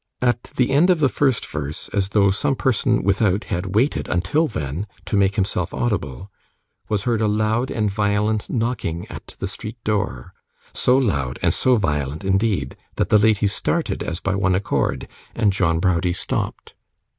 At the end of the first verse, as though some person without had waited until then to make himself audible, was heard a loud and violent knocking at the street door; so loud and so violent, indeed, that the ladies started as by one accord, and John Browdie stopped.